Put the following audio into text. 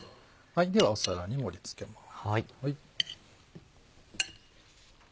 では皿に盛り付けます。